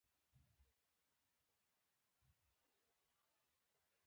زه د ښځې له خوا ووهل شوم